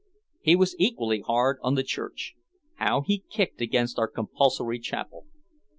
He was equally hard on the church. How he kicked against our compulsory chapel.